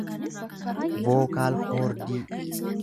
vookaalkoordii